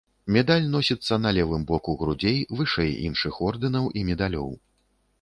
Медаль носіцца на левым боку грудзей вышэй іншых ордэнаў і медалёў.